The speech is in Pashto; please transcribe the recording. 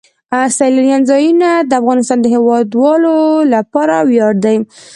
سیلانی ځایونه د افغانستان د هیوادوالو لپاره ویاړ دی.